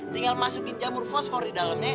tinggal masukin jamur fosfor di dalamnya